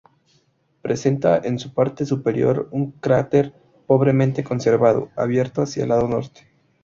Presenta en su parte superior un cráter pobremente conservado, abierto hacia el lado norte.